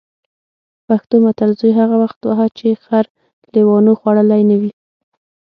پښتو متل: زوی هغه وخت وهه چې خر لېوانو خوړلی نه وي.